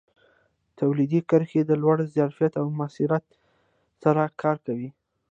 تولیدي کرښې د لوړ ظرفیت او موثریت سره کار کوي.